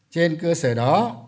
trên cơ sở đó